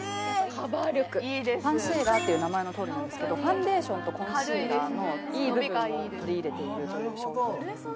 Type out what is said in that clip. カバー力ファンシーラーっていう名前のとおりなんですけどファンデーションとコンシーラーのいい部分を取り入れているという商品ですね